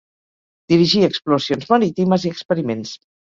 Dirigí exploracions marítimes i experiments.